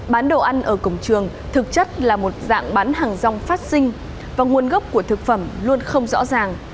bán đồ ăn ở cổng trường thực chất là một dạng bán hàng rong phát sinh và nguồn gốc của thực phẩm luôn không rõ ràng